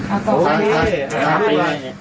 โอ้เฮ้ยเรียบร้อย